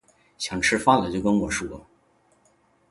想吃饭了就跟我说